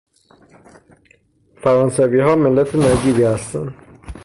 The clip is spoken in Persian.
فرانسوی ها ملت نجیبی هستند